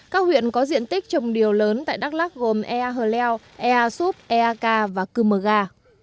các huyện có diện tích trồng điều lớn tại đắk lắc gồm ea hờ leo ea súp ea ca và cư mờ gà